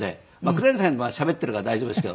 黒柳さんの場合はしゃべってるから大丈夫ですけど。